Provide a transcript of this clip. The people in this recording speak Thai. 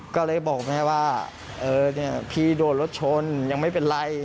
ก็เลยบอกแม่ว่าพี่โดนรถชนยังไม่เป็นไร